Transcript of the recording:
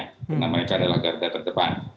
karena mereka adalah garda terdepan